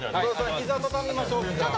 膝畳みましょう。